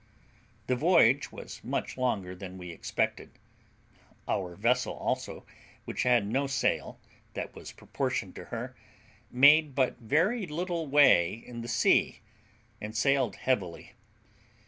The voyage was much longer than we expected; our vessel also, which had no sail that was proportioned to her, made but very little way in the sea, and sailed heavily.